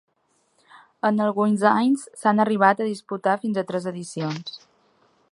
En alguns anys s'han arribat a disputar fins a tres edicions.